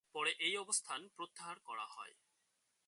পরে এই অবস্থান প্রত্যাহার করা হয়।